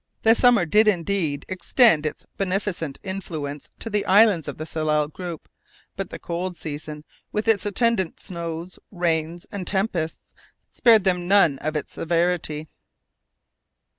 The summer did indeed extend its beneficent influence to the islands of the Tsalal group, but the cold season, with its attendant snows, rains, and tempests, spared them none of its severity.